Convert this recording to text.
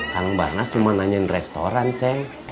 kang banas cuma nanyain restoran ceng